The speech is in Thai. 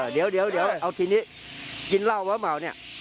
เดี๋ยวเดี๋ยวเอาทีนี้กินเหล้าหรือเปล่าเนี่ย